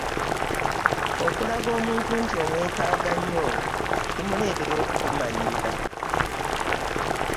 okulaga omuntu nti omwetaaga nnyo kimuleetera okkumanyiira.